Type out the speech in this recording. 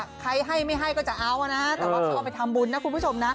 ใครให้ไม่ให้จะเอาอ่ะนะแต่ว่าซึ่งออกไปทำบุญนะครูภูชม